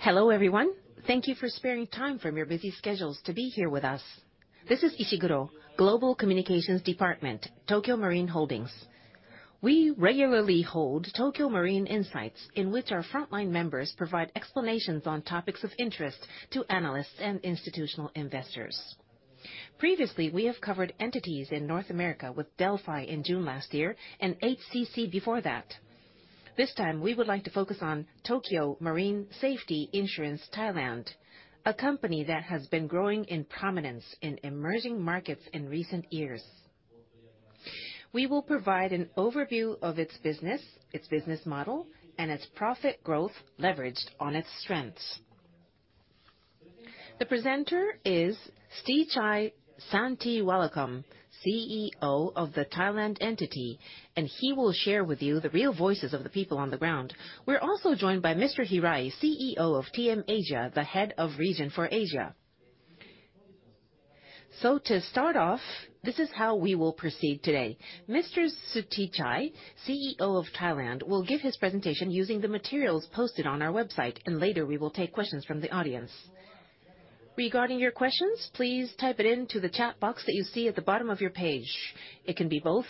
Hello, everyone. Thank you for sparing time from your busy schedules to be here with us. This is Ishiguro, Global Communications Department, Tokio Marine Holdings. We regularly hold Tokio Marine Insights, in which our frontline members provide explanations on topics of interest to analysts and institutional investors. Previously, we have covered entities in North America with Delphi in June last year, and HCC before that. This time, we would like to focus on Tokio Marine Safety Insurance (Thailand), a company that has been growing in prominence in emerging markets in recent years. We will provide an overview of its business, its business model, and its profit growth leveraged on its strengths. The presenter is Suteechai Santivarakum, CEO of the Thailand entity, and he will share with you the real voices of the people on the ground. We're also joined by Mr. Hirai, CEO of TM Asia, the head of region for Asia. To start off, this is how we will proceed today. Mr. Suteechai, CEO of Thailand, will give his presentation using the materials posted on our website. Later we will take questions from the audience. Regarding your questions, please type it into the chat box that you see at the bottom of your page. It can be both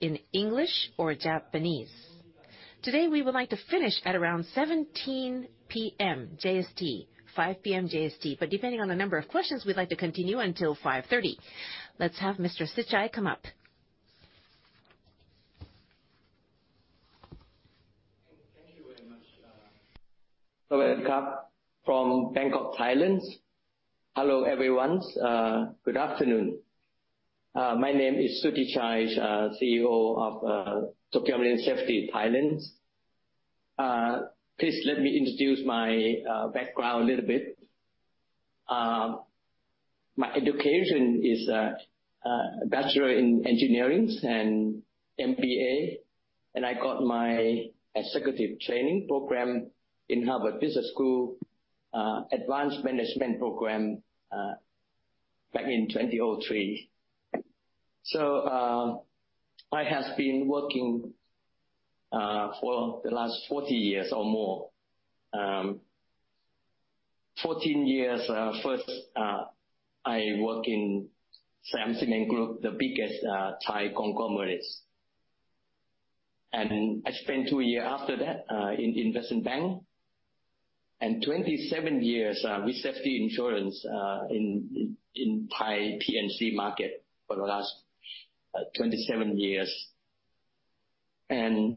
in English or Japanese. Today, we would like to finish at around 5:00 P.M. JST. Depending on the number of questions, we'd like to continue until 5:30. Let's have Mr. Suteechai come up. Thank you very much. From Bangkok, Thailand. Hello, everyone. Good afternoon. My name is Suteechai, CEO of Tokio Marine Safety, Thailand. Please let me introduce my background a little bit. My education is a bachelor in engineering and MBA. I got my executive training program in Harvard Business School Advanced Management Program back in 2003. I have been working for the last 14 years or more. 14 years, first, I work in Siam Cement Group, the biggest Thai conglomerate. I spent 2 years after that in investment banking, and 27 years with Safety Insurance in Thai P&C market for the last 27 years. I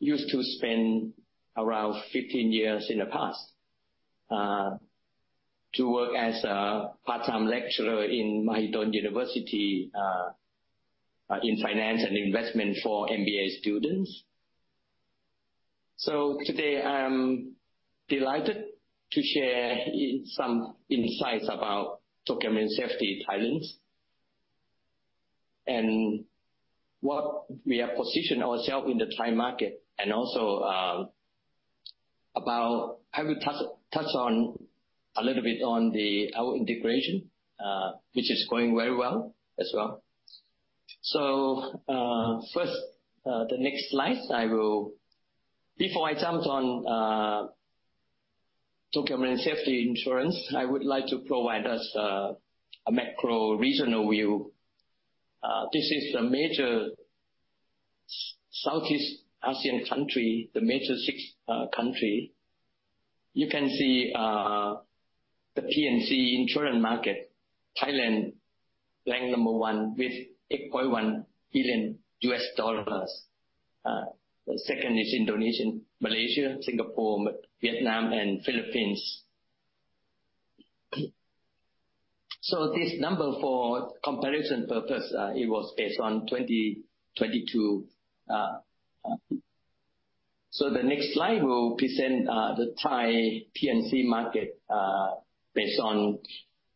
used to spend around 15 years in the past, to work as a part-time lecturer in Mahidol University, in finance and investment for MBA students. Today, I'm delighted to share some insights about Tokio Marine Safety, Thailand, and what we have positioned ourselves in the Thai market. I will touch on a little bit on our integration, which is going very well as well. Before I jump on Tokio Marine Safety Insurance, I would like to provide us a macro regional view. This is the major Southeast Asian country, the major 6 countries. You can see the P&C insurance market. Thailand rank number 1 with $8.1 billion. The second is Indonesia, Malaysia, Singapore, Vietnam, and Philippines. This number, for comparison purpose, it was based on 2022. The next slide will present the Thai P&C market based on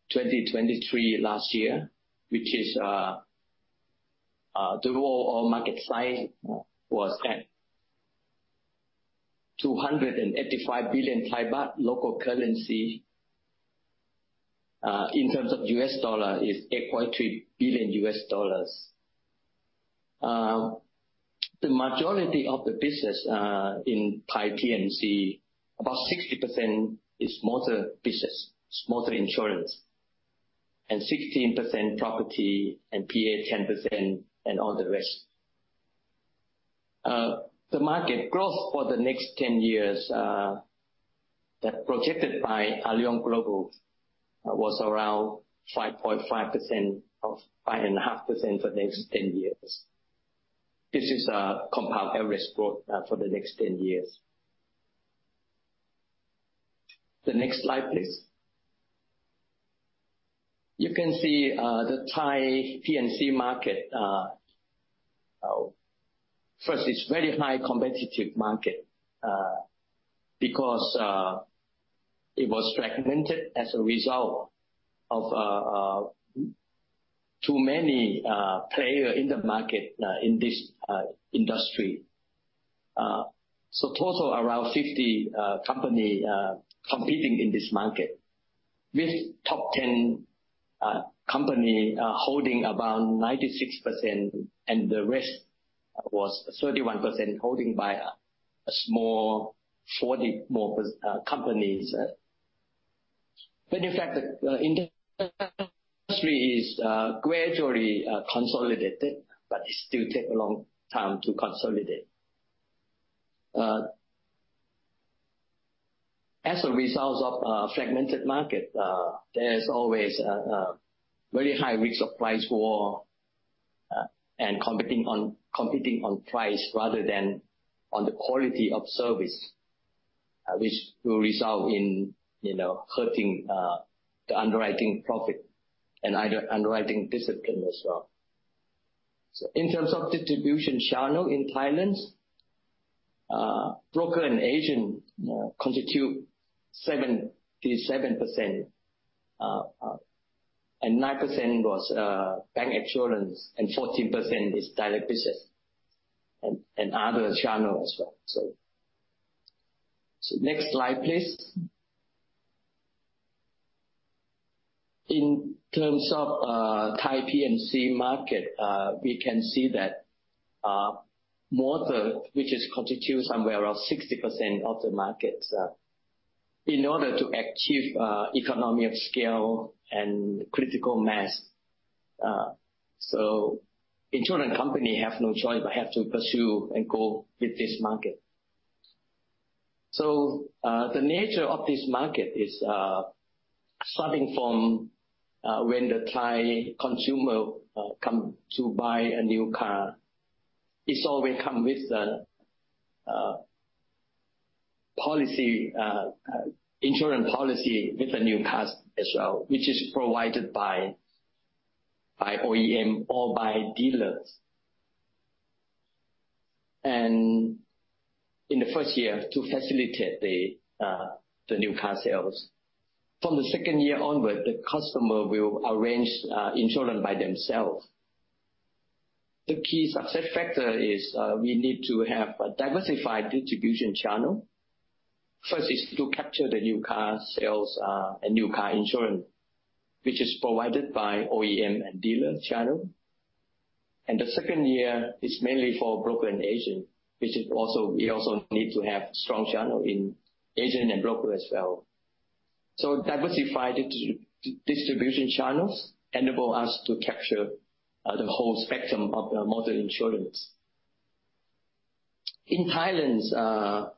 2023 last year, which is the role of market size was at THB 285 billion local currency. In terms of US dollar is $8.3 billion. The majority of the business in Thai P&C, about 60% is motor business, motor insurance, and 16% property and PA 10%, and all the rest. The market growth for the next 10 years, that's projected by Allianz Global was around 5.5% or 5.5% for the next 10 years. This is a compound annual growth for the next 10 years. The next slide, please. You can see the Thai P&C market. It's very high competitive market, because it was fragmented as a result of too many player in the market in this industry. Total around 50 company competing in this market With top 10 company holding about 96%, and the rest was 31% holding by a small 40 more companies. In fact, the industry is gradually consolidated, but it still take a long time to consolidate. As a result of a fragmented market, there's always a very high risk of price war and competing on price rather than on the quality of service, which will result in hurting the underwriting profit and underwriting discipline as well. In terms of distribution channel in Thailand, broker and agent constitute 77%, and 9% was bancassurance, and 14% is direct business and other channel as well. Next slide, please. In terms of Thai P&C market, we can see that motor, which is constitute somewhere around 60% of the market. In order to achieve economy of scale and critical mass, insurance company have no choice but have to pursue and go with this market. The nature of this market is, starting from when the Thai consumer come to buy a new car, it's always come with insurance policy with the new cars as well, which is provided by OEM or by dealers. In the first year, to facilitate the new car sales. From the second year onward, the customer will arrange insurance by themselves. The key success factor is, we need to have a diversified distribution channel. Is to capture the new car sales, and new car insurance, which is provided by OEM and dealer channel. The second year is mainly for broker and agent, we also need to have strong channel in agent and broker as well. Diversified distribution channels enable us to capture the whole spectrum of the motor insurance. In Thailand,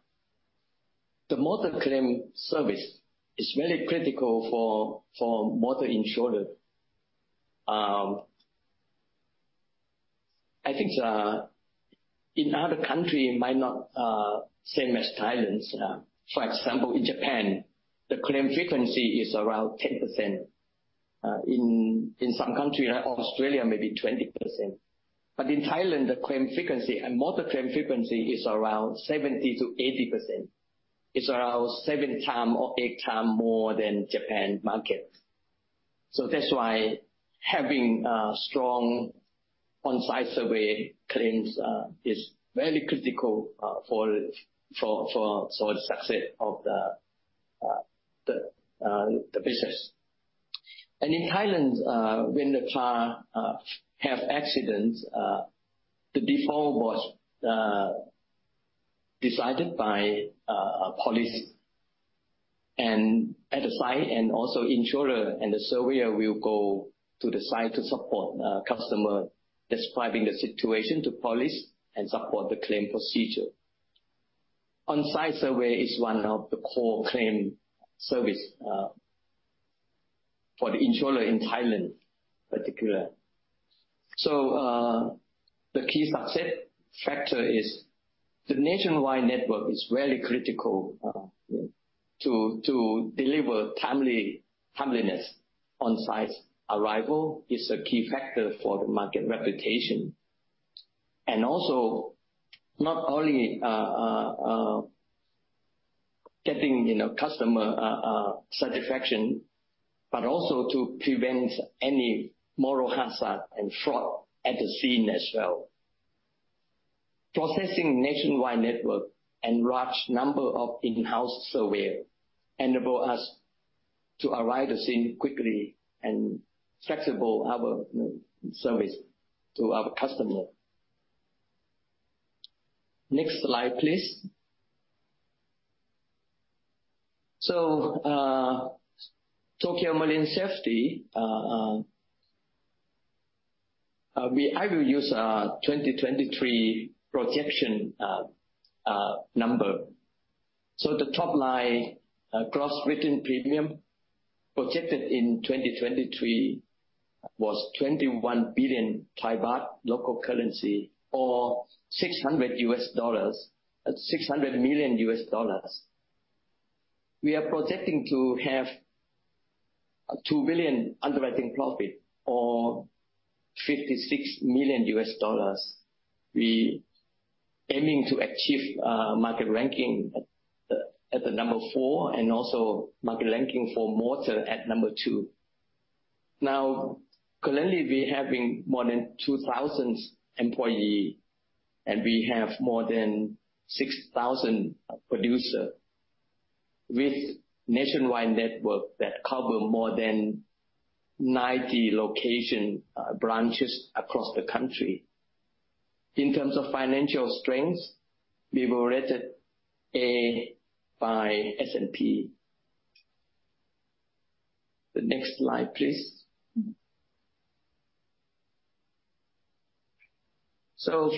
the motor claim service is very critical for motor insurer. I think in other country, it might not same as Thailand's. For example, in Japan, the claim frequency is around 10%. In some country like Australia, maybe 20%. In Thailand, the claim frequency and motor claim frequency is around 70%-80%. It's around seven times or eight times more than Japan market. That's why having strong on-site survey claims is very critical for the success of the business. In Thailand, when the car have accidents, the default was decided by police and at the site, and also insurer and the surveyor will go to the site to support the customer describing the situation to police and support the claim procedure. On-site survey is one of the core claim service for the insurer in Thailand particular. The key success factor is the nationwide network is very critical to deliver timeliness. On-site arrival is a key factor for the market reputation. Not only getting customer satisfaction, but also to prevent any moral hazard and fraud at the scene as well. Processing nationwide network and large number of in-house surveyor enable us to arrive the scene quickly and flexible our service to our customer. Next slide, please. Tokio Marine Safety, I will use our 2023 projection number. The top line, gross written premium projected in 2023 was 21 billion baht or $600 million. We are projecting to have 2 billion underwriting profit or $56 million. We aiming to achieve market ranking at the number 4 and also market ranking for motor at number 2. Currently we have more than 2,000 employees, and we have more than 6,000 producers with nationwide network that cover more than 90 location branches across the country. In terms of financial strength, we were rated A by S&P. The next slide, please.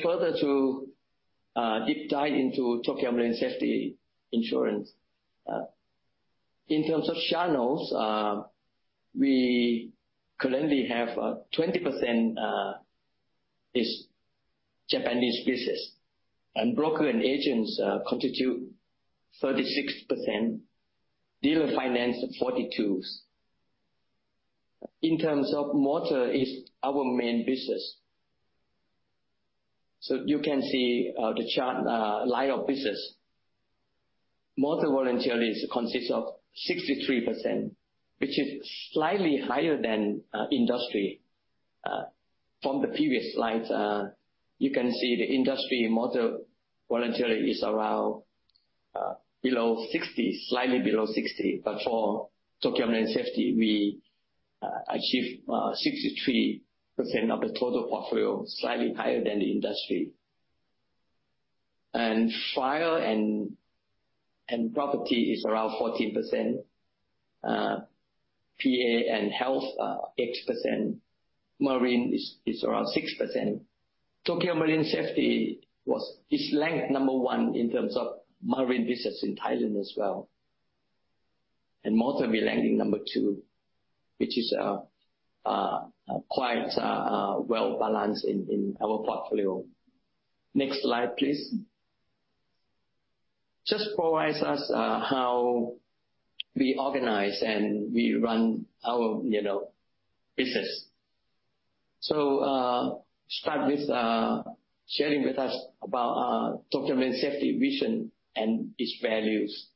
Further to deep dive into Tokio Marine Safety Insurance. In terms of channels, we currently have 20% is Japanese business, and broker and agents contribute 36%, dealer finance 42%. In terms of motor, is our main business. You can see the chart, line of business. Motor voluntary consists of 63%, which is slightly higher than industry. From the previous slides, you can see the industry motor voluntary is around below 60, slightly below 60. For Tokio Marine Safety, we achieve 63% of the total portfolio, slightly higher than the industry. Fire and property is around 14%, PA and health are 8%, marine is around 6%. Tokio Marine Safety is ranked number 1 in terms of marine business in Thailand as well. In motor, we ranking number 2, which is quite well-balanced in our portfolio. Next slide, please. It just provides us how we organize and we run our business. Start with sharing with us about Tokio Marine Safety vision and its values.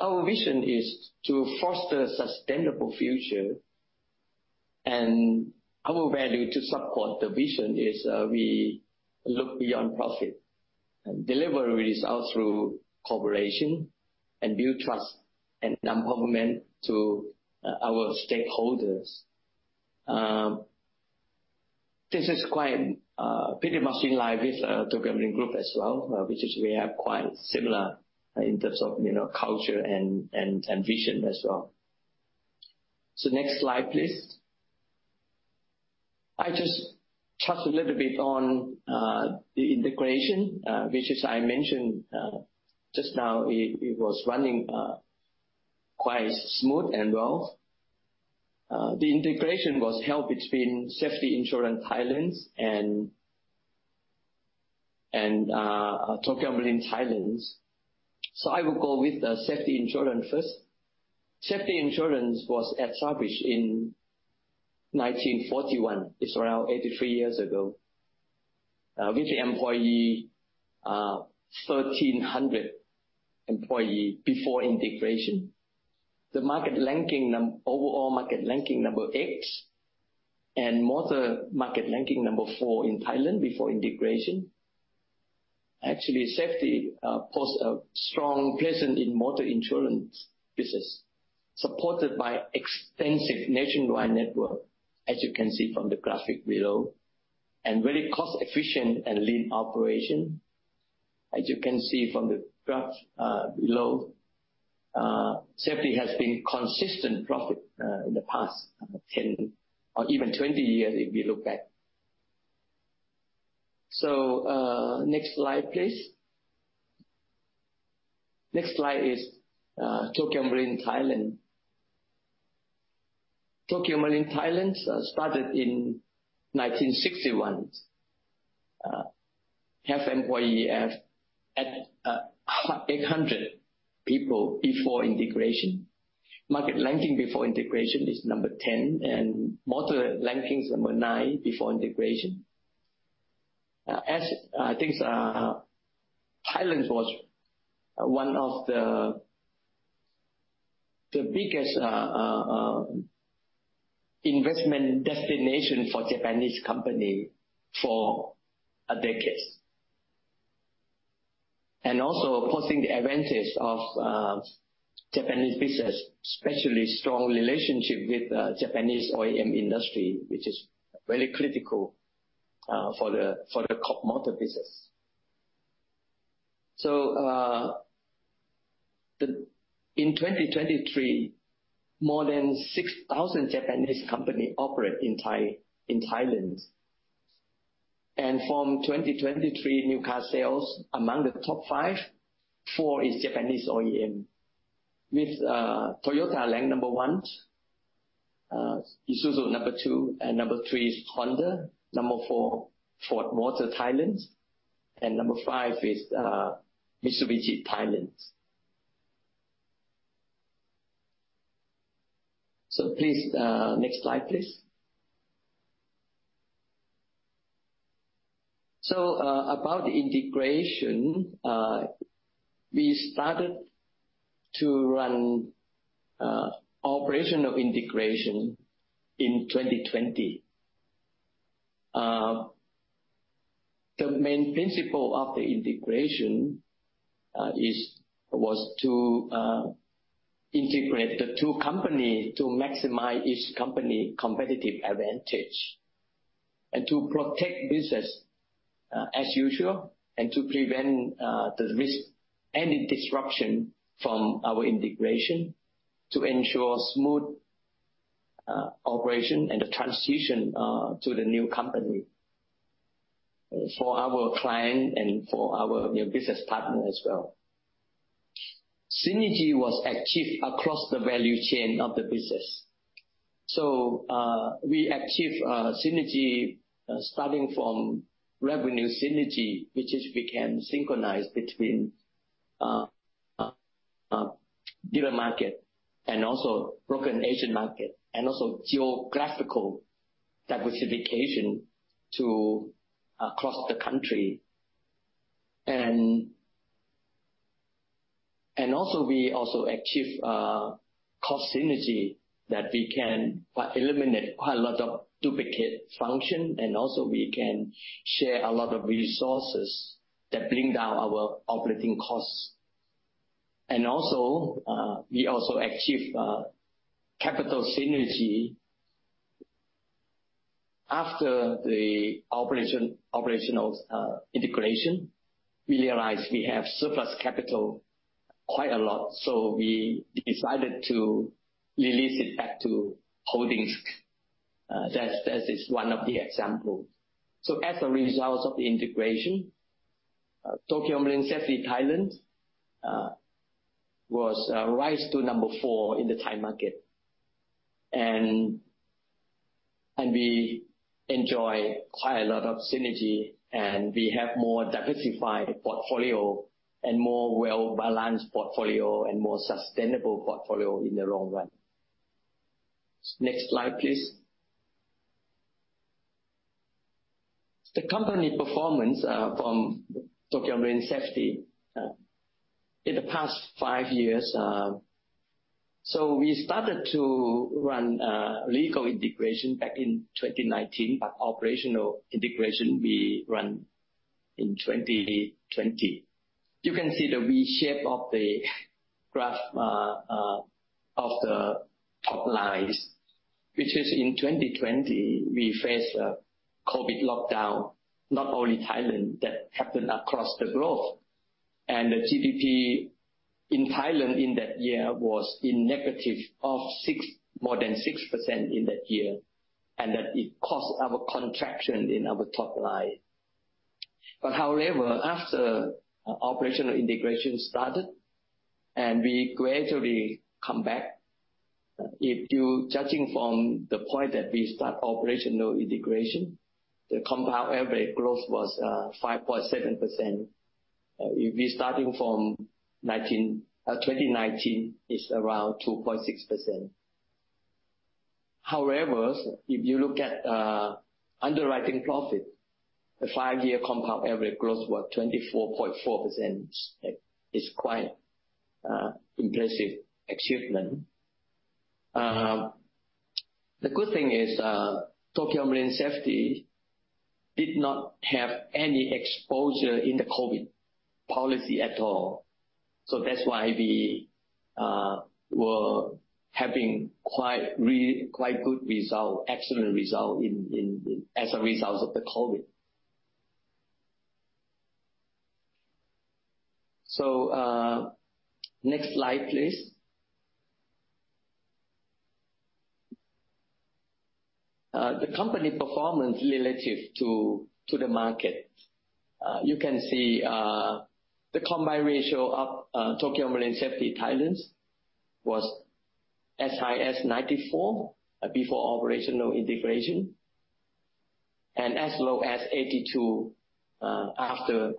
Our vision is to foster sustainable future and our value to support the vision is, we look beyond profit and deliver results through cooperation and build trust and empowerment to our stakeholders. This is quite pretty much in line with Tokio Marine Group as well, which is we are quite similar in terms of culture and vision as well. Next slide, please. I just touch a little bit on the integration, which as I mentioned just now, it was running quite smooth and well. The integration was held between Safety Insurance Thailand and Tokio Marine Thailand. I will go with the Safety Insurance first. Safety Insurance was established in 1941, it's around 83 years ago, with 1,300 employees before integration. The overall market ranking number 8 and motor market ranking number 4 in Thailand before integration. Actually, Safety pose a strong presence in motor insurance business, supported by extensive nationwide network, as you can see from the graphic below, and very cost efficient and lean operation. As you can see from the graph below, Safety has been consistent profit in the past 10 or even 20 years, if we look back. Next slide, please. Next slide is Tokio Marine Thailand. Tokio Marine Thailand started in 1961. We had 800 employees before integration. Market ranking before integration is number 10 and motor ranking number 9 before integration. As things are, Thailand was one of the biggest investment destination for Japanese companies for decades. It also posed the advantage of Japanese business, especially strong relationship with Japanese OEM industry, which is very critical for the core motor business. In 2023, more than 6,000 Japanese companies operate in Thailand. From 2023 new car sales, among the top 5, 4 is Japanese OEM, with Toyota ranked number 1, Isuzu number 2, number 3 is Honda, number 4 Ford Motor Company (Thailand), and number 5 is Mitsubishi Motors (Thailand). Please, next slide, please. About the integration, we started to run operational integration in 2020. The main principle of the integration was to integrate the two companies to maximize each company competitive advantage, and to protect business as usual, and to prevent the risk, any disruption from our integration to ensure smooth operation and the transition to the new company for our client and for our new business partner as well. Synergy was achieved across the value chain of the business. We achieved synergy, starting from revenue synergy, which is we can synchronize between dealer market and also broker and agent market, and also geographical diversification across the country. We also achieved cost synergy that we can eliminate quite a lot of duplicate functions, and also we can share a lot of resources that bring down our operating costs. We also achieved capital synergy. After the operational integration, we realized we had surplus capital, quite a lot, so we decided to release it back to Tokio Marine Holdings. That is one of the examples. As a result of the integration, Tokio Marine Safety Insurance (Thailand) rose to number 4 in the Thai market. We enjoyed quite a lot of synergy, and we had more diversified portfolio and more well-balanced portfolio and more sustainable portfolio in the long run. Next slide, please. The company performance from Tokio Marine Safety Insurance (Thailand) in the past five years. We started to run legal integration back in 2019, but operational integration we ran in 2020. You can see the V shape of the graph of the top lines, which is in 2020, we faced COVID lockdown, not only in Thailand, but that happened across the globe. The GDP in Thailand in that year was in negative of more than 6% in that year, and it caused our contraction in our top line. However, after operational integration started and we gradually came back, if you are judging from the point that we started operational integration, the compound average growth was 5.7%. If we are starting from 2019, it is around 2.6%. However, if you look at underwriting profit, the five-year compound average growth was 24.4%, which is quite impressive achievement. The good thing is, Tokio Marine Safety Insurance (Thailand) did not have any exposure in the COVID policy at all. That is why we had quite good results, excellent results as a result of the COVID. Next slide please. The company performance relative to the market. You can see the combined ratio of Tokio Marine Safety Thailand was as high as 94 before operational integration, and as low as 82 after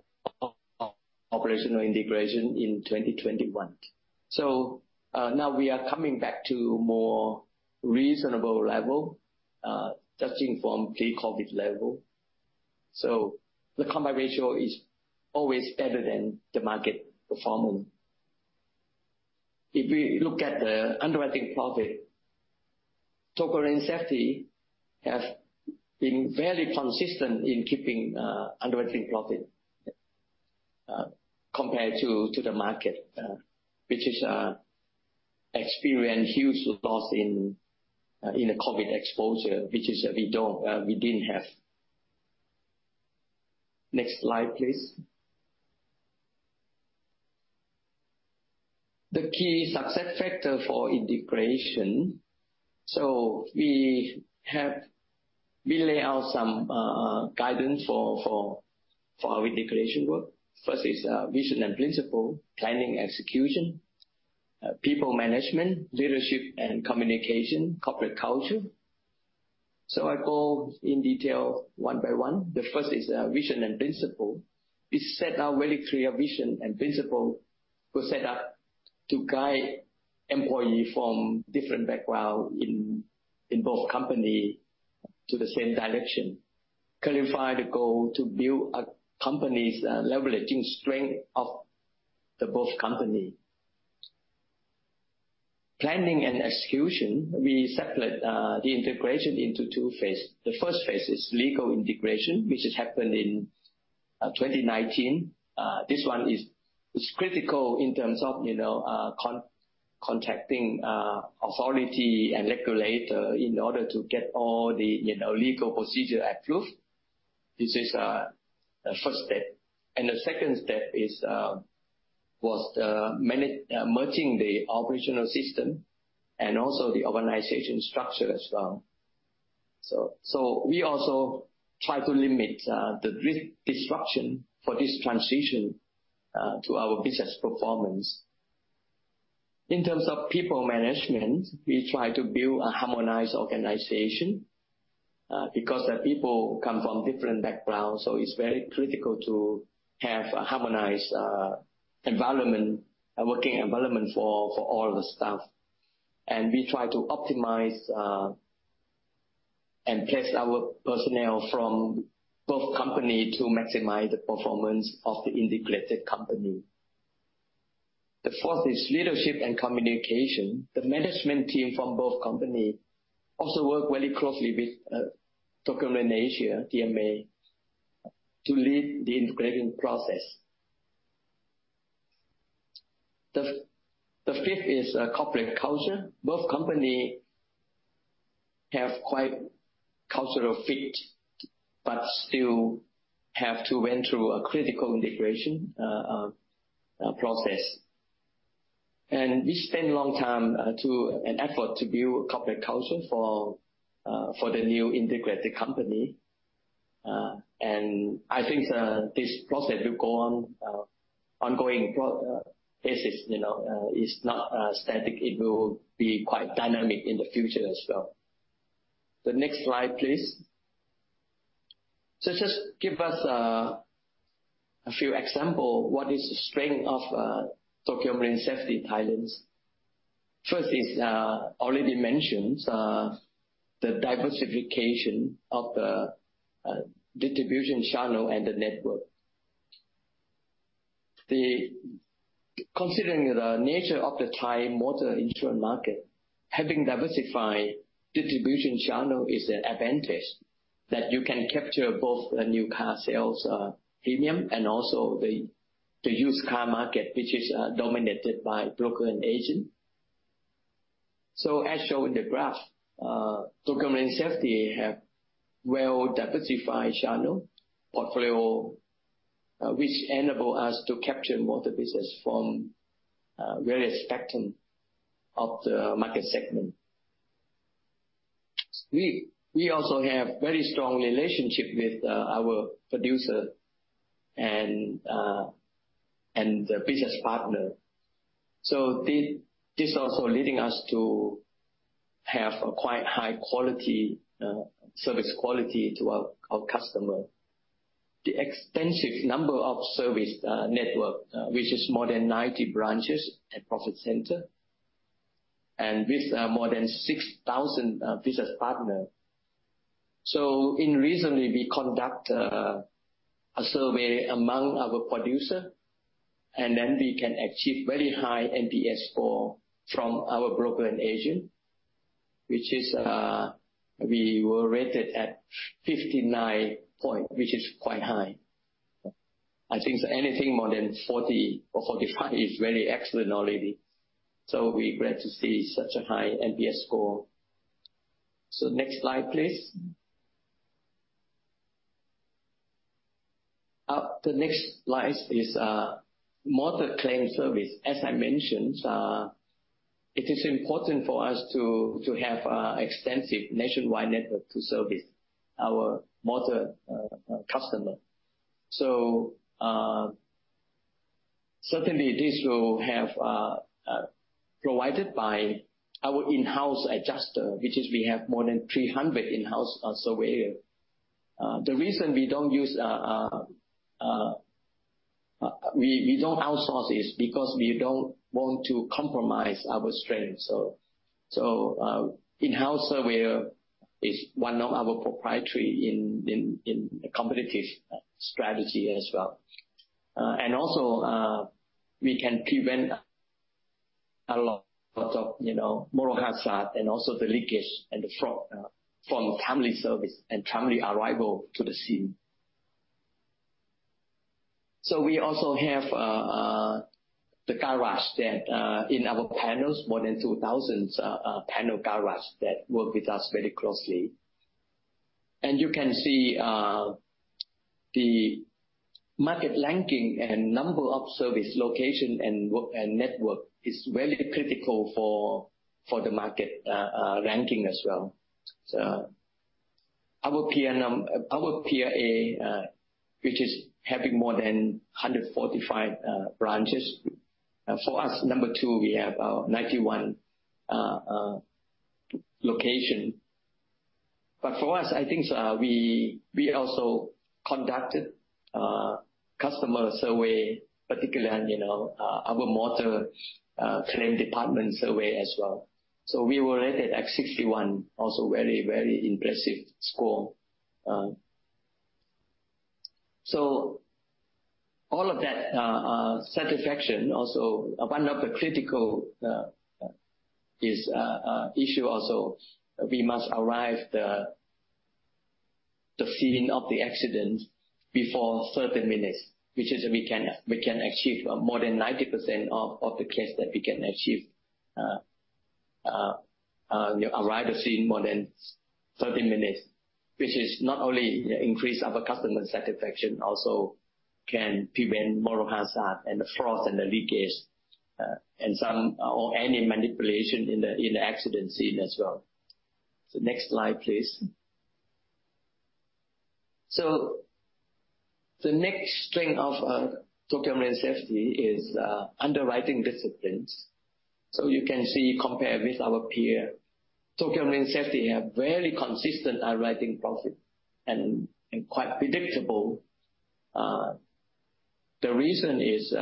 operational integration in 2021. Now we are coming back to more reasonable level, judging from pre-COVID level. The combined ratio is always better than the market performance. If we look at the underwriting profit, Tokio Marine Safety has been very consistent in keeping underwriting profit compared to the market, which experience huge loss in the COVID exposure, which we didn't have. Next slide, please. The key success factor for integration. We lay out some guidance for our integration work. First is vision and principle, planning execution, people management, leadership and communication, corporate culture. I go in detail one by one. The first is vision and principle. We set out very clear vision and principle to guide employee from different background in both company to the same direction, clarify the goal to build a company's leveraging strength of the both company. Planning and execution, we separate the integration into 2 phases. The first phase is legal integration, which has happened in 2019. This one is critical in terms of contacting authority and regulator in order to get all the legal procedure approved. This is a first step. The second step was, merging the operational system and also the organization structure as well. We also try to limit the risk disruption for this transition to our business performance. In terms of people management, we try to build a harmonized organization, because the people come from different backgrounds, so it's very critical to have a harmonized environment, a working environment for all the staff. We try to optimize, and place our personnel from both company to maximize the performance of the integrated company. The fourth is leadership and communication. The management team from both company also work very closely with Tokio Marine Asia, TMA, to lead the integration process. The fifth is corporate culture. Both company have quite cultural fit, but still have to went through a critical integration process. We spend a long time, to an effort to build corporate culture for the new integrated company. I think this process will go on ongoing basis. It's not static. It will be quite dynamic in the future as well. The next slide, please. Just give us a few example. What is the strength of Tokio Marine Safety Thailand. First is already mentioned, the diversification of the distribution channel and the network. Considering the nature of the Thai motor insurance market, having diversified distribution channel is an advantage that you can capture both the new car sales premium and also the used car market, which is dominated by broker and agent. As shown in the graph, Tokio Marine Safety have well diversified channel portfolio, which enable us to capture motor business from various spectrum of the market segment. We also have very strong relationship with our producer and the business partner. This also leading us to have a quite high quality, service quality to our customer. The extensive number of service network, which is more than 90 branches and profit center, and with more than 6,000 business partner. Recently, we conduct a survey among our producer, we can achieve very high NPS score from our broker and agent, we were rated at 59 point, quite high. I think anything more than 40 or 45 is very excellent already. We're glad to see such a high NPS score. Next slide please. The next slide is motor claim service. As I mentioned, it is important for us to have extensive nationwide network to service our motor customer. Certainly this will have provided by our in-house adjuster, we have more than 300 in-house surveyor. The reason we don't outsource is because we don't want to compromise our strength. In-house surveyor is one of our proprietary in competitive strategy as well. Also, we can prevent a lot of moral hazard and also the leakage and the fraud from timely service and timely arrival to the scene. We also have the garage that in our panels, more than 2,000 panel garage that work with us very closely. You can see the market ranking and number of service location and network is very critical for the market ranking as well. Our PA, having more than 145 branches. For us, number 2, we have 91 locations. For us, I think we also conducted customer survey, particularly our motor claim department survey as well. We were rated at 61, also very, very impressive score. All of that satisfaction also one of the critical issues also, we must arrive the scene of the accident before 30 minutes, we can achieve more than 90% of the case that we can achieve arrive the scene more than 30 minutes, not only increase our customer satisfaction, also can prevent moral hazard and the fraud and the leakage, and some or any manipulation in the accident scene as well. Next slide, please. The next strength of Tokio Marine & Safety is underwriting disciplines. You can see compared with our peer, Tokio Marine & Safety have very consistent underwriting profit and quite predictable. The reason is,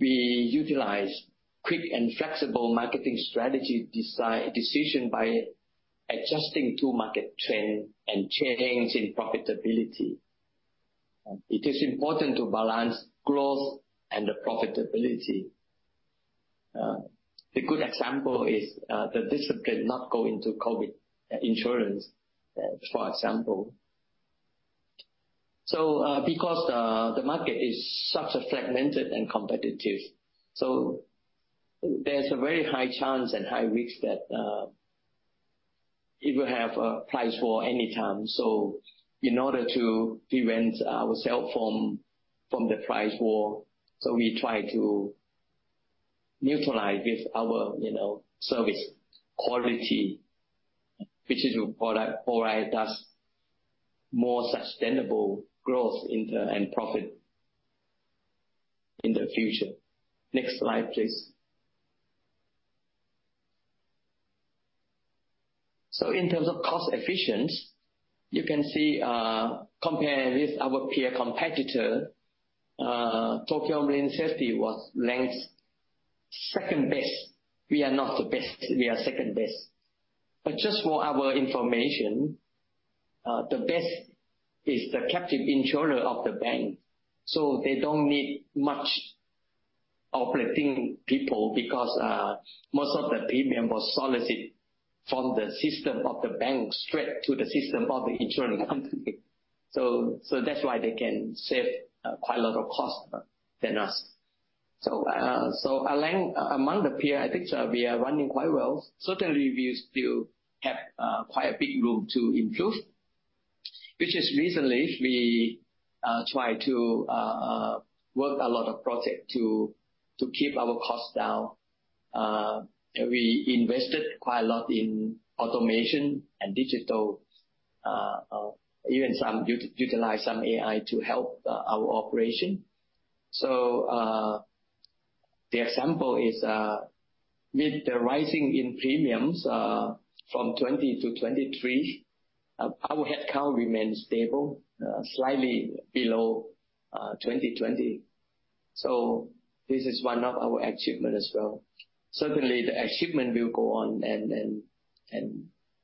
we utilize quick and flexible marketing strategy decision by adjusting to market trend and change in profitability. It is important to balance growth and profitability. The good example is, the discipline not go into COVID insurance, for example. Because the market is such a fragmented and competitive, there's a very high chance and high risk that it will have a price war any time. In order to prevent ourself from the price war, we try to neutralize with our service quality, to product more sustainable growth and profit in the future. Next slide, please. In terms of cost efficiency, you can see, compared with our peer competitor, Tokio Marine & Safety was ranked second-best. We are not the best. We are second-best. Just for our information, the best is the captive insurer of the bank, they don't need much operating people because most of the premium was solicited from the system of the bank straight to the system of the insurance company. That's why they can save quite a lot of cost than us. Among the peer, I think we are running quite well. Certainly, we still have quite a big room to improve, which is recently, we try to work a lot of project to keep our costs down. We invested quite a lot in automation and digital, even utilize some AI to help our operation. The example is, with the rising in premiums from 2020 to 2023, our headcount remained stable, slightly below 2020. This is one of our achievement as well. Certainly, the achievement will go on and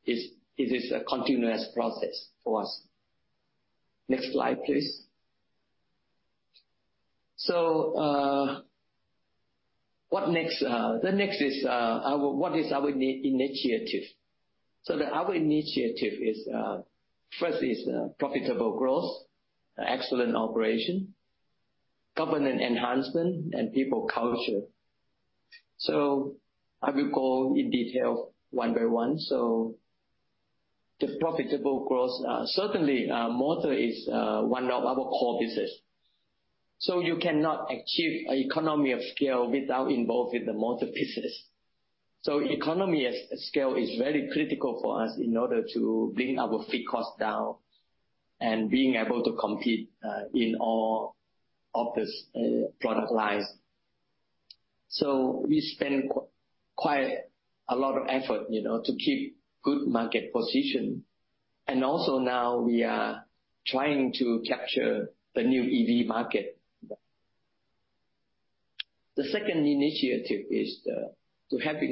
it is a continuous process for us. Next slide, please. What next? The next is, what is our initiative? Our initiative is, first is profitable growth, excellent operation, governance enhancement, and people culture. I will go in detail one by one. The profitable growth, certainly, motor is one of our core business. You cannot achieve economy of scale without involved with the motor business. Economy of scale is very critical for us in order to bring our fee cost down and being able to compete in all of the product lines. We spend quite a lot of effort to keep good market position. Also now we are trying to capture the new EV market. The second initiative is to have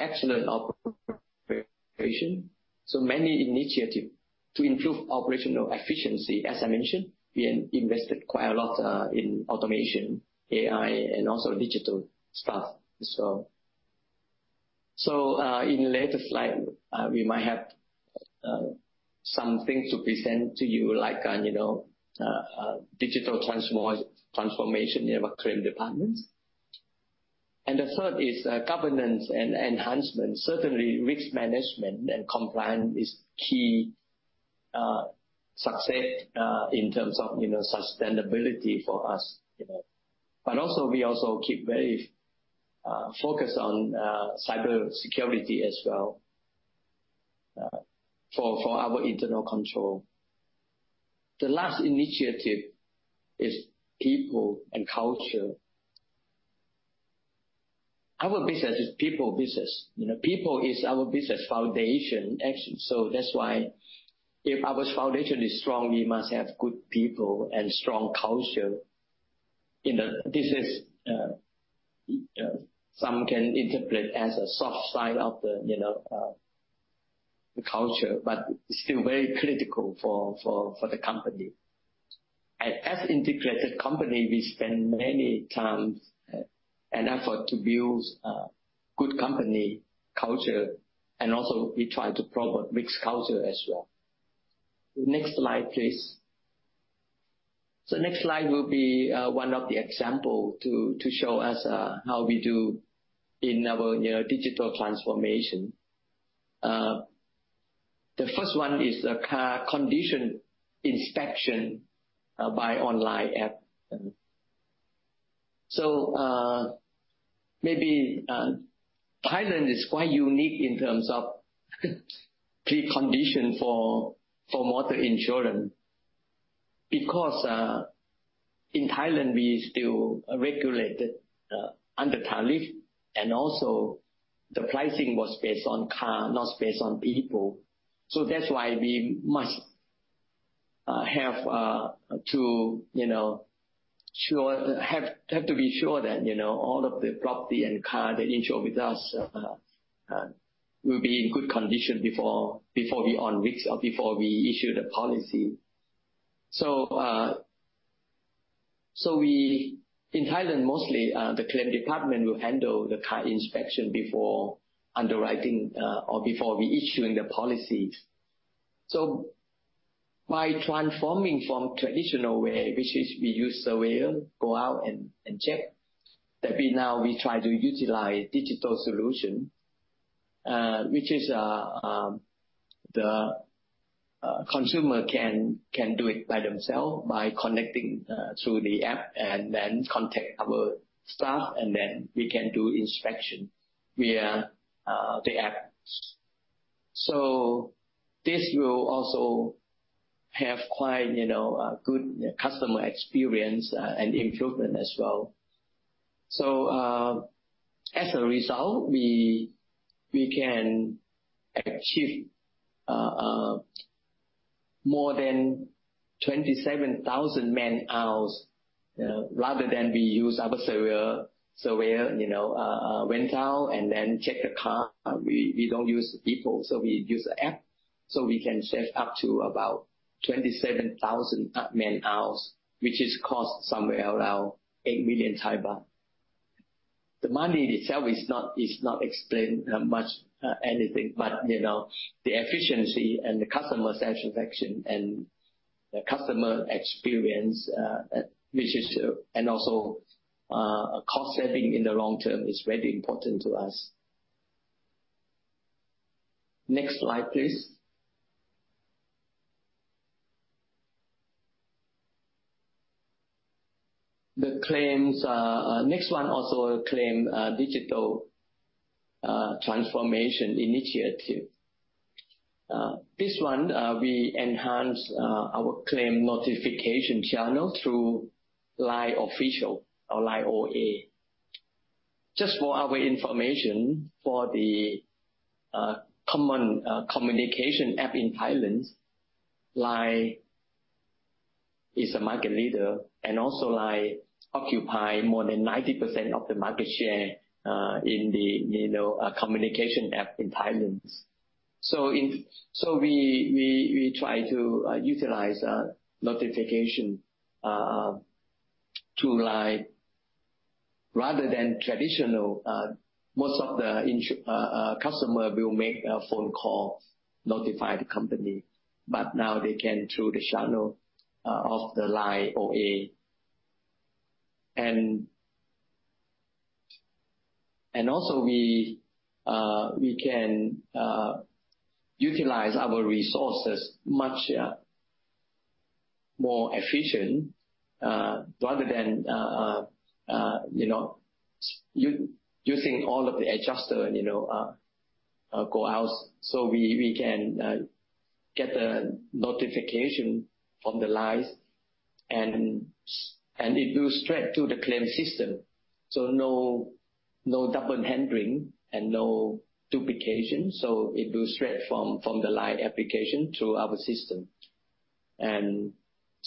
excellent operation. Many initiative to improve operational efficiency. As I mentioned, we invested quite a lot in automation, AI, and also digital stuff. In later slide, we might have something to present to you, like on digital transformation in our claim department. The third is governance and enhancement. Certainly, risk management and compliance is key success in terms of sustainability for us. Also, we also keep very focused on cybersecurity as well for our internal control. The last initiative is people and culture. Our business is people business. People is our business foundation, actually. That's why if our foundation is strong, we must have good people and strong culture. This is, some can interpret as a soft side of the culture, but it's still very critical for the company. As integrated company, we spend many times and effort to build a good company culture and also we try to promote mixed culture as well. Next slide, please. Next slide will be one of the example to show us how we do in our digital transformation. The first one is the car condition inspection by online app. Maybe Thailand is quite unique in terms of precondition for motor insurance because, in Thailand, we still regulated under tariff and also the pricing was based on car, not based on people. That's why we must have to be sure that all of the property and car they insure with us will be in good condition before we underwrite or before we issue the policy. In Thailand, mostly, the claim department will handle the car inspection before underwriting or before we issuing the policy. By transforming from traditional way, which is we use surveyor, go out and check, that we now we try to utilize digital solution, which is the consumer can do it by themselves by connecting through the app and then contact our staff and then we can do inspection via the app. This will also have quite good customer experience and improvement as well. As a result, we can achieve more than 27,000 man-hours, rather than we use our surveyor, went out and then check the car. We don't use the people. We use the app, we can save up to about 27,000 man-hours, which is cost somewhere around 8 million baht. The money itself is not explain much anything, but the efficiency and the customer satisfaction and the customer experience, and also cost saving in the long term is very important to us. Next slide, please. The claims. Next one also a claim digital transformation initiative. This one, we enhance our claim notification channel through LINE Official Account or LINE OA. Just for our information, for the common communication app in Thailand, LINE is a market leader and also LINE occupy more than 90% of the market share in the communication app in Thailand. We try to utilize notification through LINE rather than traditional. Most of the customer will make a phone call, notify the company, but now they can through the channel of the LINE OA. We can utilize our resources much more efficient, rather than using all of the adjuster go out. We can get the notification from the LINE, and it will straight to the claim system. No double handling and no duplication. It will straight from the LINE application to our system. It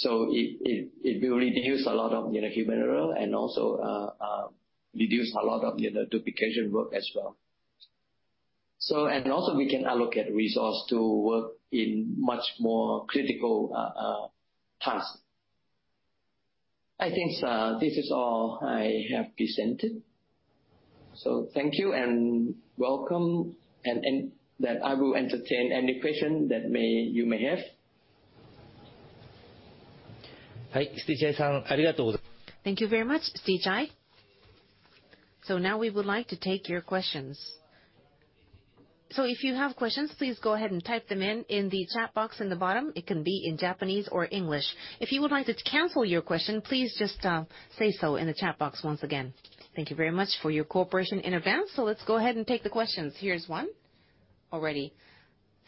will reduce a lot of human error and also reduce a lot of duplication work as well. We can allocate resource to work in much more critical tasks. I think this is all I have presented. Thank you and welcome. I will entertain any question that you may have. Thank you very much, Suthichai. Now we would like to take your questions. If you have questions, please go ahead and type them in the chat box in the bottom. It can be in Japanese or English. If you would like to cancel your question, please just say so in the chat box once again. Thank you very much for your cooperation in advance. Let's go ahead and take the questions. Here's one already.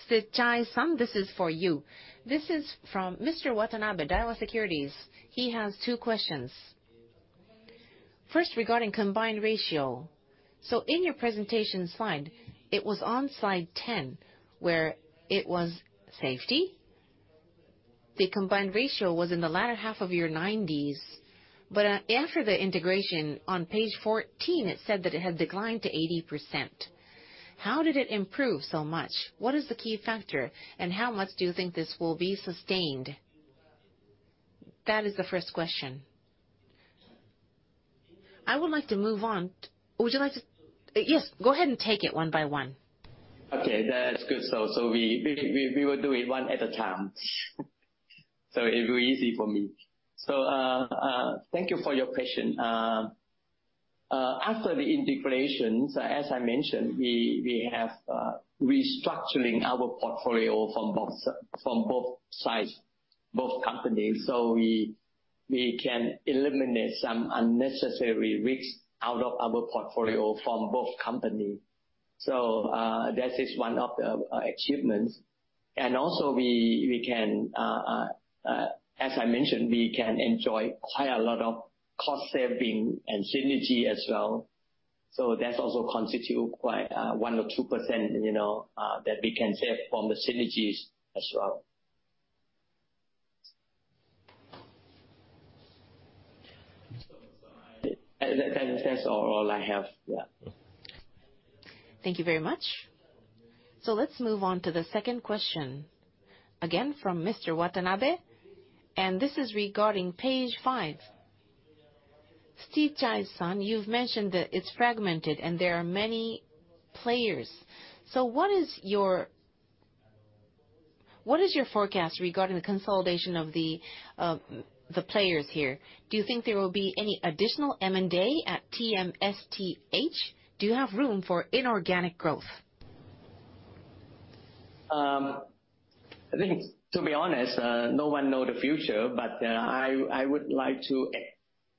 Sichai-san, this is for you. This is from Mr. Watanabe, Daiwa Securities. He has two questions. First, regarding combined ratio. In your presentation slide, it was on slide 10, where it was Safety. The combined ratio was in the latter half of your 90s, but after the integration, on page 14, it said that it had declined to 80%. How did it improve so much? What is the key factor, how much do you think this will be sustained? That is the first question. I would like to move on. Yes, go ahead and take it one by one. Okay. That's good. We will do it one at a time. It will be easy for me. Thank you for your question. After the integrations, as I mentioned, we have restructuring our portfolio from both sides, both companies, we can eliminate some unnecessary risks out of our portfolio from both companies. That is one of the achievements. Also, as I mentioned, we can enjoy quite a lot of cost saving and synergy as well. That also constitutes 1% or 2% that we can save from the synergies as well. That's all I have. Yeah. Thank you very much. Let's move on to the second question, again from Mr. Watanabe, this is regarding page five. Sichai-san, you've mentioned that it's fragmented and there are many players. What is your forecast regarding the consolidation of the players here? Do you think there will be any additional M&A at TMSTH? Do you have room for inorganic growth? I think, to be honest, no one know the future, I would like to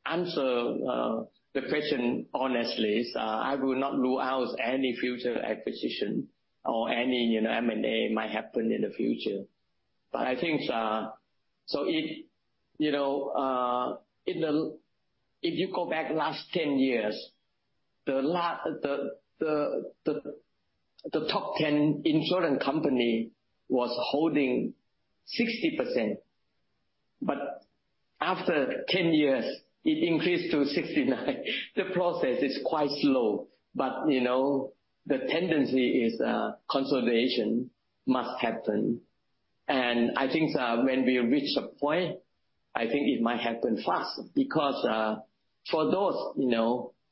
answer the question honestly. I will not rule out any future acquisition or any M&A might happen in the future. I think, if you go back the last 10 years, the top 10 insurance company was holding 60%, after 10 years, it increased to 69%. The process is quite slow, the tendency is consolidation must happen. I think that when we reach a point, I think it might happen faster, because for those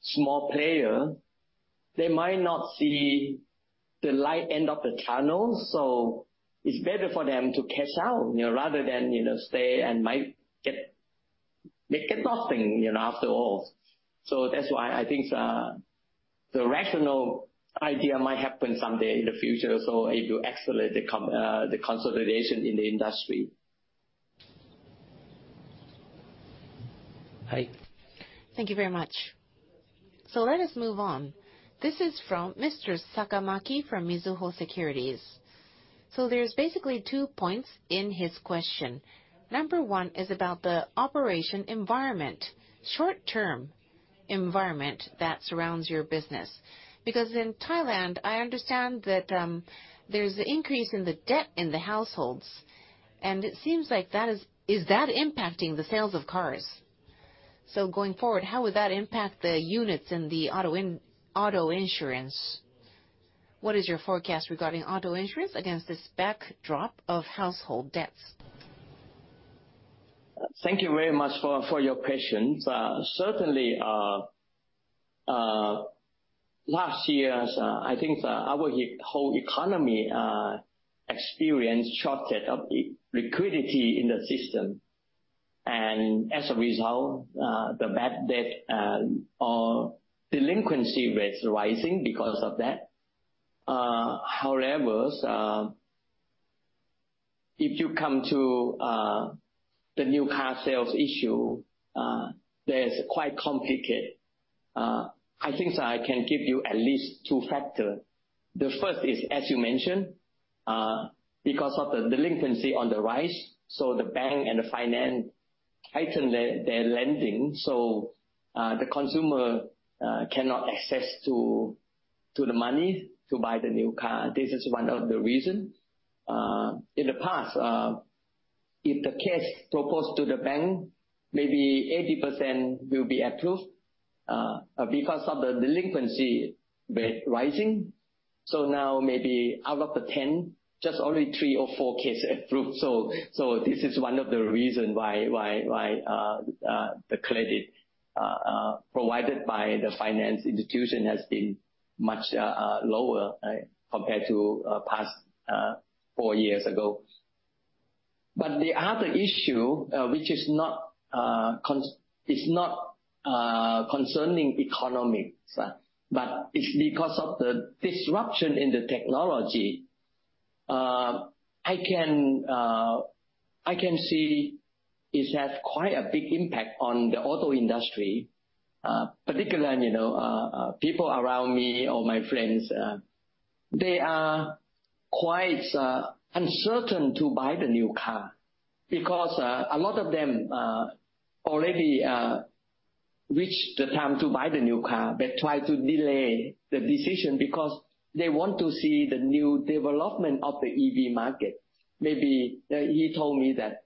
small players, they might not see the light end of the tunnel, it's better for them to cash out rather than stay and might get nothing after all. That's why I think the rational idea might happen someday in the future. It will accelerate the consolidation in the industry. Hi. Thank you very much. Let us move on. This is from Mr. Sakamaki from Mizuho Securities. There's basically two points in his question. Number one is about the operation environment, short-term environment that surrounds your business. Because in Thailand, I understand that there's an increase in the debt in the households, and it seems like, is that impacting the sales of cars? Going forward, how would that impact the units in the auto insurance? What is your forecast regarding auto insurance against this backdrop of household debts? Thank you very much for your question. Certainly, last year, I think our whole economy experienced shortage of liquidity in the system, and as a result, the bad debt or delinquency rates rising because of that. If you come to the new car sales issue, that is quite complicated. I think that I can give you at least two factors. The first is, as you mentioned, because of the delinquency on the rise, the bank and the finance tighten their lending, the consumer cannot access to the money to buy the new car. This is one of the reasons. In the past, if the case proposed to the bank, maybe 80% will be approved. Because of the delinquency rate rising, now maybe out of the 10, just only three or four cases approved. This is one of the reasons why the credit provided by the finance institution has been much lower compared to the past four years ago. The other issue, which is not concerning economics, it's because of the disruption in the technology I can see it has quite a big impact on the auto industry. Particularly, people around me or my friends, they are quite uncertain to buy the new car, because a lot of them already reached the time to buy the new car, but try to delay the decision because they want to see the new development of the EV market. Maybe he told me that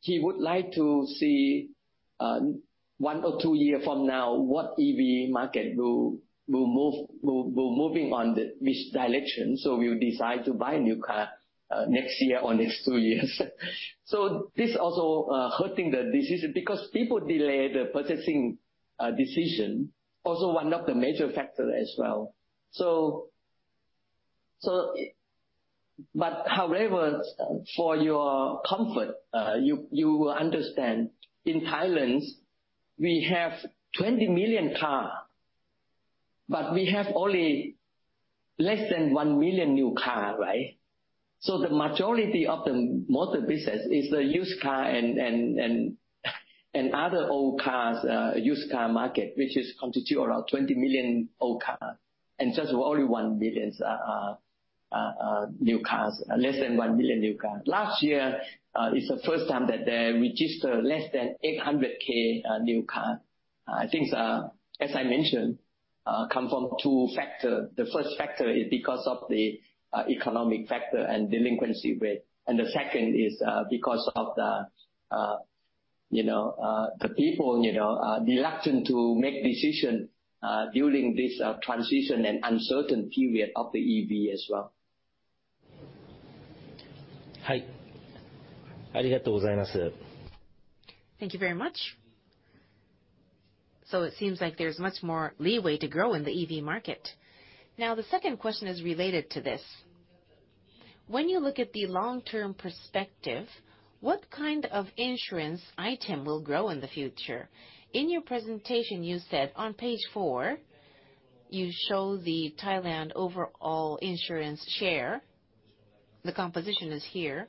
he would like to see one or two year from now what EV market will moving on which direction, will decide to buy a new car next year or next two years. This also hurting the decision because people delay the purchasing decision, also one of the major factor as well. For your comfort, you will understand, in Thailand, we have 20 million car, but we have only less than 1 million new car, right? The majority of the motor business is the used car and other old cars, used car market, which is constitute around 20 million old car. Just only 1 million new cars, less than 1 million new cars. Last year, is the first time that they register less than 800K new car. I think, as I mentioned, come from two factor. The first factor is because of the economic factor and delinquency rate. The second is because of the people are reluctant to make decision during this transition and uncertain period of the EV as well. Hi. Thank you very much. It seems like there's much more leeway to grow in the EV market. The second question is related to this. When you look at the long-term perspective, what kind of insurance item will grow in the future? In your presentation, you said, on page four, you show the Thailand overall insurance share. The composition is here,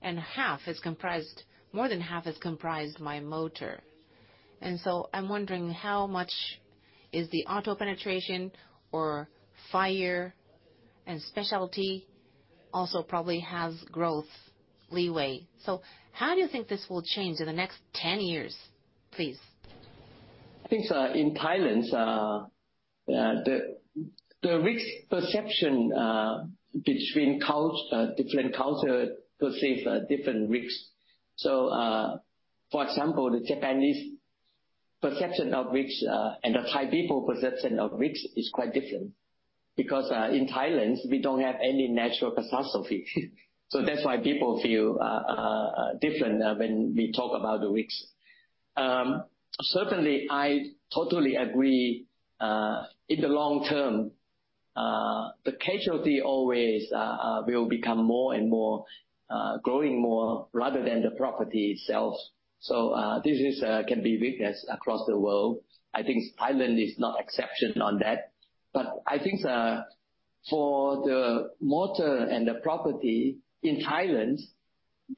and more than half is comprised by motor. I'm wondering how much is the auto penetration or fire and specialty also probably has growth leeway. How do you think this will change in the next 10 years, please? I think, in Thailand, the risk perception between different culture perceive different risks. For example, the Japanese perception of risk and the Thai people perception of risk is quite different, because, in Thailand, we don't have any natural catastrophe. That's why people feel different when we talk about the risks. Certainly, I totally agree, in the long term, the casualty always will become more and more growing more rather than the property itself. This can be witnessed across the world. I think Thailand is not exception on that. I think for the motor and the property in Thailand,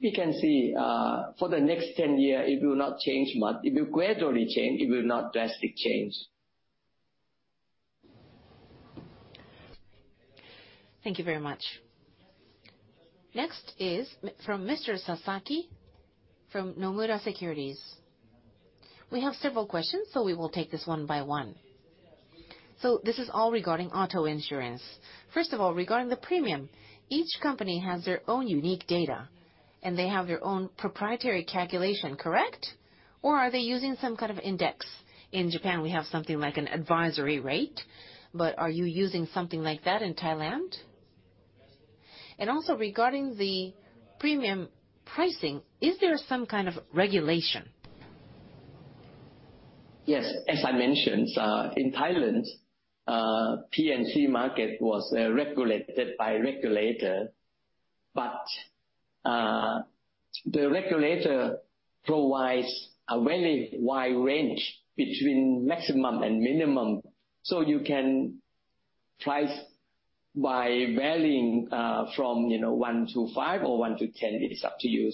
we can see for the next 10 year, it will not change much. It will gradually change. It will not drastic change. Thank you very much. Next is from Mr. Sasaki from Nomura Securities. We have several questions, we will take this one by one. This is all regarding auto insurance. First of all, regarding the premium, each company has their own unique data, and they have their own proprietary calculation, correct? Or are they using some kind of index? In Japan, we have something like an advisory rate, but are you using something like that in Thailand? Also regarding the premium pricing, is there some kind of regulation? Yes. As I mentioned, in Thailand, P&C market was regulated by regulator. The regulator provides a very wide range between maximum and minimum. You can price by varying from one to five or one to 10. It is up to you.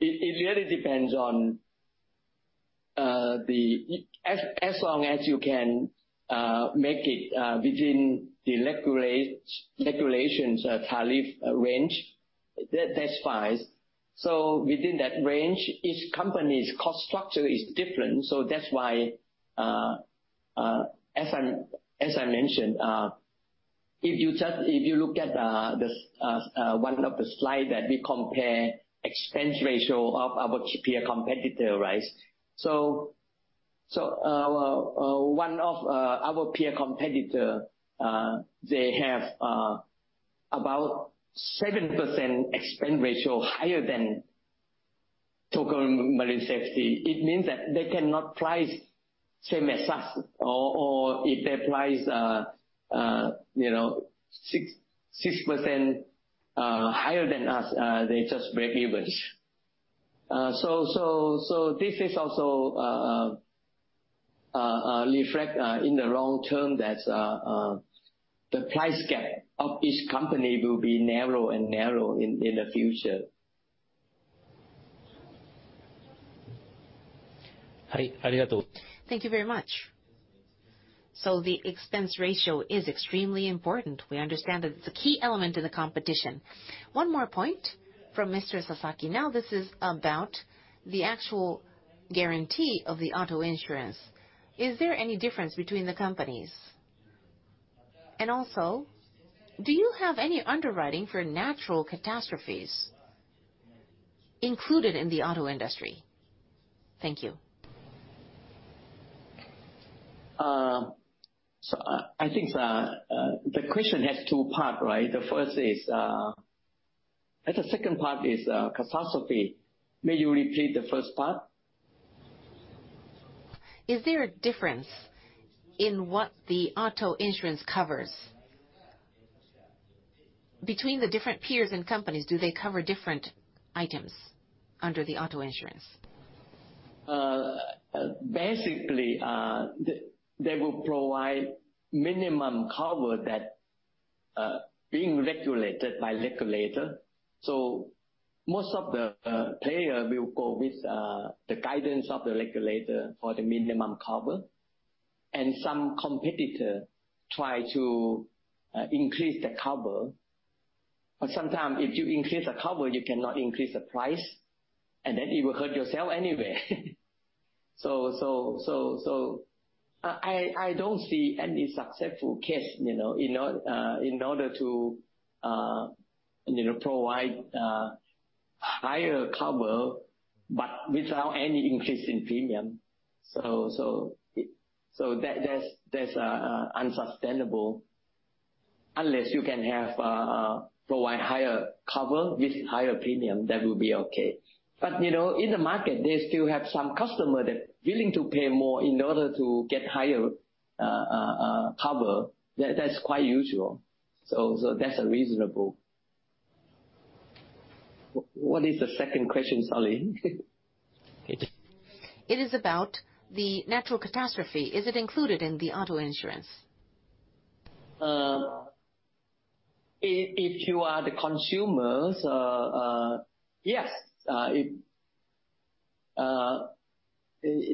It really depends on as long as you can make it within the regulations tariff range, that's fine. Within that range, each company's cost structure is different. That's why, as I mentioned, if you look at one of the slide that we compare expense ratio of our peer competitor, right? One of our peer competitor, they have about 7% expense ratio higher than Tokio Marine Safety. It means that they cannot price same as us, or if they price 6% higher than us, they just break even. This is also Reflect in the long term that the price gap of each company will be narrow and narrow in the future. Thank you very much. The expense ratio is extremely important. We understand that it's a key element in the competition. One more point from Mr. Sasaki. Now, this is about the actual guarantee of the auto insurance. Is there any difference between the companies? Do you have any underwriting for natural catastrophes included in the auto industry? Thank you. I think the question has two parts, right? The second part is catastrophe. May you repeat the first part? Is there a difference in what the auto insurance covers between the different peers and companies? Do they cover different items under the auto insurance? They will provide minimum cover that being regulated by regulator. Most of the player will go with the guidance of the regulator for the minimum cover. Some competitor try to increase the cover. Sometimes if you increase the cover, you cannot increase the price, and then you will hurt yourself anyway. I don't see any successful case, in order to provide higher cover, but without any increase in premium. That's unsustainable. Unless you can provide higher cover with higher premium, that will be okay. In the market, they still have some customer that willing to pay more in order to get higher cover. That's quite usual. That's reasonable. What is the second question? Sorry. It is about the natural catastrophe. Is it included in the auto insurance? If you are the consumers, yes.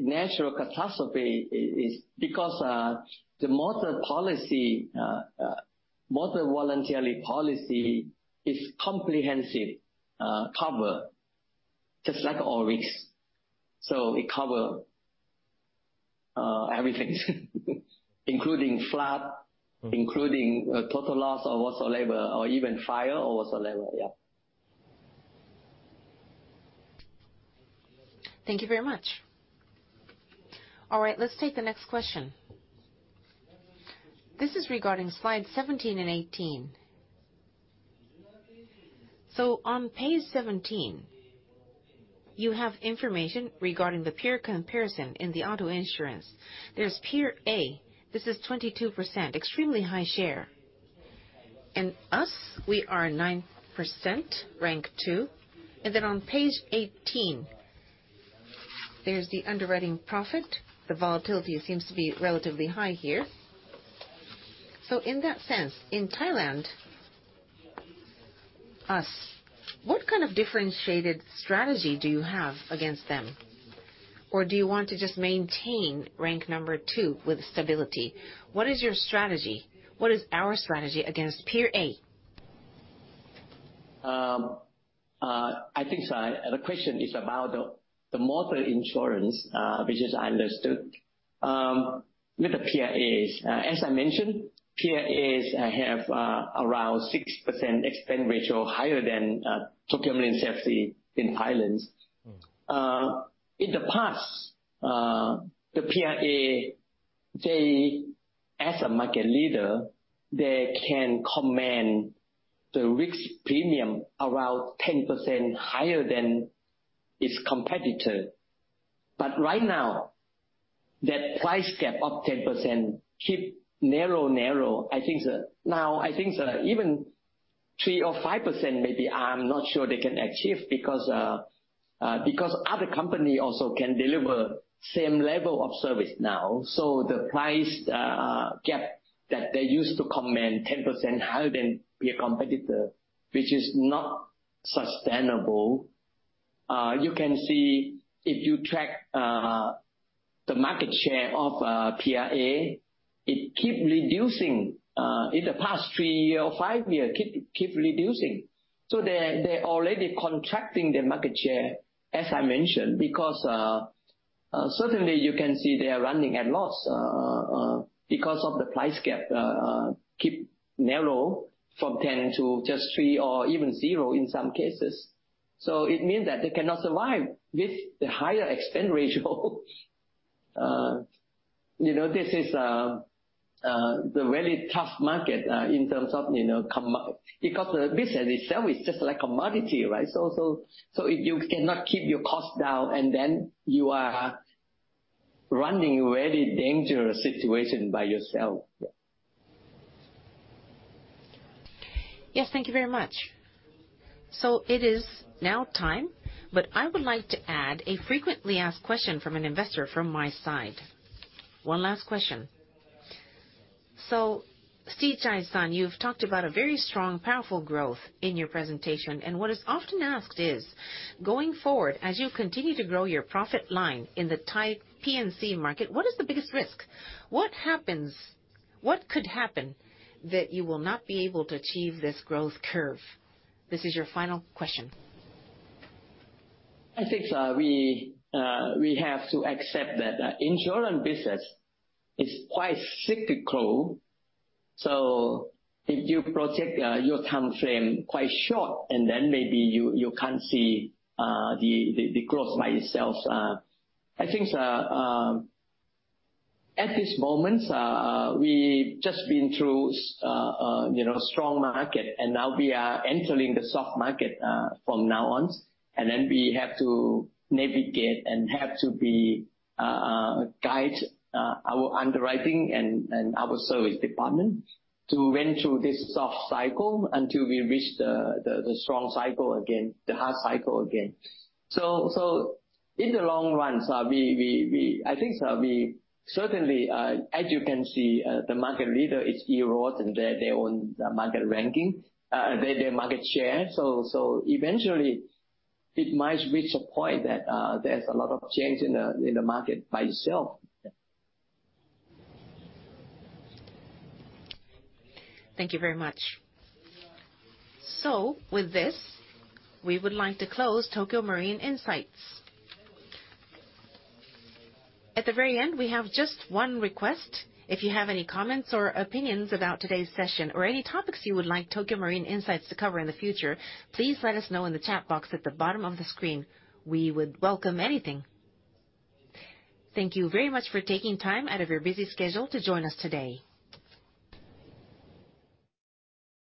Natural catastrophe is. The motor voluntary policy is comprehensive cover, just like all risks. It cover everything, including flood, including total loss or whatsoever, or even fire or whatsoever. Yeah. Thank you very much. Let's take the next question. This is regarding slide 17 and 18. On page 17, you have information regarding the peer comparison in the auto insurance. There's Peer A, this is 22%, extremely high share. Us, we are 9%, rank 2. On page 18, there's the underwriting profit. The volatility seems to be relatively high here. In that sense, in Thailand, us, what kind of differentiated strategy do you have against them? Or do you want to just maintain rank number 2 with stability? What is your strategy? What is our strategy against Peer A? I think the question is about the motor insurance, which is understood, with the Peer As. As I mentioned, Peer As have around 6% expense ratio higher than Tokio Marine Safety in Thailand. In the past, the Peer A, as a market leader, they can command the risk premium around 10% higher than its competitor. Right now, that price gap of 10% keep narrow. I think even 3% or 5%, maybe, I'm not sure they can achieve because other company also can deliver same level of service now. The price gap that they used to command 10% higher than peer competitor, which is not sustainable. You can see if you track the market share of Peer A, it keep reducing. In the past three or five year, it keep reducing. They're already contracting their market share, as I mentioned, because certainly you can see they are running at loss because of the price gap keep narrow from 10 to just three or even zero in some cases. It means that they cannot survive with the higher expense ratio. This is the very tough market in terms of Because the business itself is just like commodity, right? If you cannot keep your cost down, and then you are running very dangerous situation by yourself. Yes. Thank you very much. It is now time, but I would like to add a frequently asked question from an investor from my side. One last question. Srichai-san, you've talked about a very strong, powerful growth in your presentation, and what is often asked is: going forward, as you continue to grow your profit line in the Thai P&C market, what is the biggest risk? What could happen that you will not be able to achieve this growth curve? This is your final question. I think we have to accept that insurance business is quite cyclical. If you protect your timeframe quite short, and then maybe you can't see the growth by itself. I think at this moment, we've just been through a strong market, and now we are entering the soft market from now on. We have to navigate and have to guide our underwriting and our service department to went through this soft cycle until we reach the strong cycle again, the hard cycle again. In the long run, I think we certainly, as you can see, the market leader is eroding their own market ranking, their market share. Eventually it might reach a point that there's a lot of change in the market by itself. Thank you very much. With this, we would like to close Tokio Marine Insights. At the very end, we have just one request. If you have any comments or opinions about today's session or any topics you would like Tokio Marine Insights to cover in the future, please let us know in the chat box at the bottom of the screen. We would welcome anything. Thank you very much for taking time out of your busy schedule to join us today.